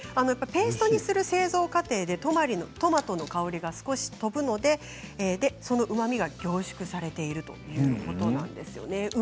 ペーストにする製造過程でトマトの香りが少し飛ぶのでそのうまみが凝縮されているということです。